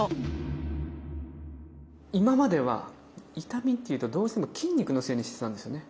今までは痛みっていうとどうしても筋肉のせいにしてたんですよね。